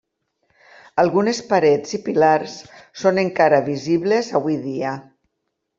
Algunes parets i pilars són encara visibles avui dia.